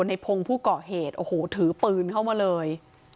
ในพงผู้ก่อเหตุถือปืนเข้ามาเลย